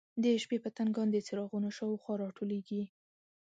د شپې پتنګان د څراغونو شاوخوا راټولیږي.